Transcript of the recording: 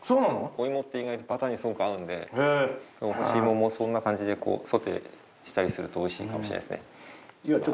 お芋って意外とバターにすごく合うんで干し芋もそんな感じでソテーしたりすると美味しいかもしれないですね。